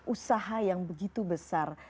usaha yang begitu besar